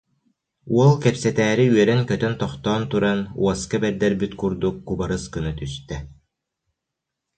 Уол кэпсэтээри үөрэн-көтөн тохтоон туран уоска бэрдэрбит курдук кубарыс гына түстэ